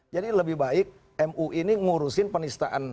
jadi lebih baik mui ini mengurusin penistaan politik itu kan gitu ya